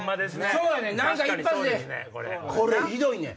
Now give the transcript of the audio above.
これひどいねん！